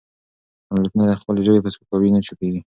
او ملتونه د خپلې ژبې په سپکاوي نه چوپېږي.